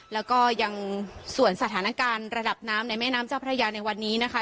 แล้วก็ยังส่วนสถานการณ์ระดับน้ำในแม่น้ำเจ้าพระยาในวันนี้นะคะ